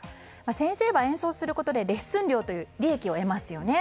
先生は演奏することでレッスン料という利益を得ますよね。